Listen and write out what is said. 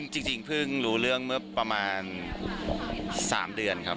จริงเพิ่งรู้เรื่องเมื่อประมาณ๓เดือนครับ